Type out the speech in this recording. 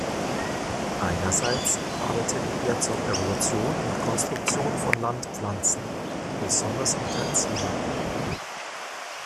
Einerseits arbeitete er zur Evolution und Konstruktion von Landpflanzen, besonders im Tertiär.